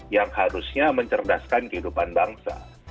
yang harusnya mencerdaskan kehidupan bangsa